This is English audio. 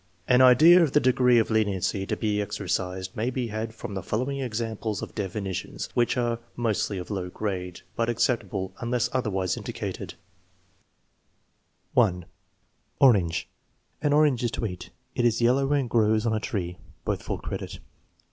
An idea of the degree of leniency to be exercised may be had from the following examples of definitions, which are mostly of low grade, but acceptable unless otherwise indi cated: 1. Orange. "An orange is to eat." "It is yellow and grows on a tree." (Both full credit.)